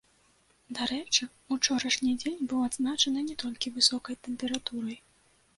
Дарэчы, ўчорашні дзень быў адзначаны не толькі высокай тэмпературай.